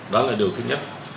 đó là điều thứ nhất